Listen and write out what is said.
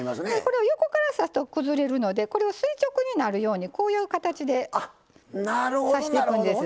横から刺すと崩れるので垂直になるようにこういう形で刺していくんです。